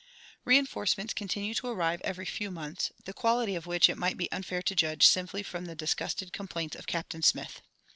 Reinforcements continued to arrive every few months, the quality of which it might be unfair to judge simply from the disgusted complaints of Captain Smith.